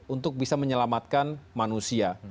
untuk bisa menyelamatkan manusia